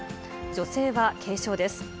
女性は軽傷です。